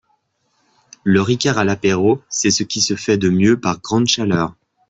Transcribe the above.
Le ricard à l'apéro c'est ce qui se fait de mieux par grande chaleur